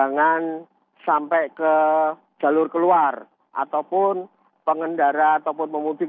jangan sampai ke jalur keluar ataupun pengendara ataupun pemudik